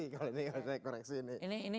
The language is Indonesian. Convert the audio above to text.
kalau ini harus saya koreksi